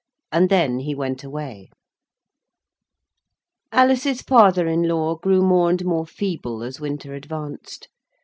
And then he went away. Alice's father in law grew more and more feeble as winter advanced.